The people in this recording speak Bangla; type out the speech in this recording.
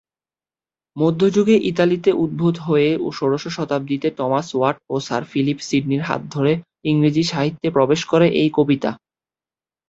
মধ্যযুগে ইতালিতে উদ্ভূত হয়ে ষোড়শ শতাব্দীতে টমাস ওয়াট ও স্যার ফিলিপ সিডনির হাত ধরে ইংরেজি সাহিত্যে প্রবেশ করে এই কবিতা।